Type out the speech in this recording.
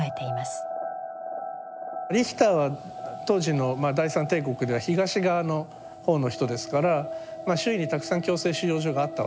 リヒターは当時のまあ第三帝国では東側の方の人ですから周囲にたくさん強制収容所があったわけですよね。